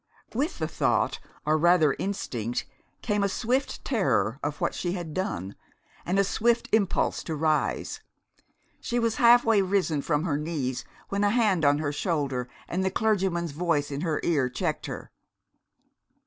With the thought, or rather instinct, came a swift terror of what she had done, and a swift impulse to rise. She was half way risen from her knees when a hand on her shoulder, and the clergyman's voice in her ear, checked her.